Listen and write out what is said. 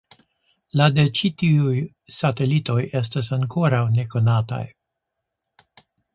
La de ĉi tiuj satelitoj estas ankoraŭ nekonataj.